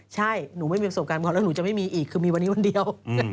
ใช่หนูไม่มีประสบการณ์พอแล้วหนูจะไม่มีอีกคือมีวันนี้วันเดียว